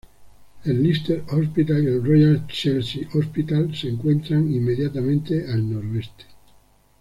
El Lister Hospital y el Royal Chelsea Hospital se encuentran inmediatamente al noroeste.